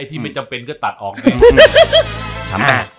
ที่ไม่จำเป็นก็ตัดออกเอง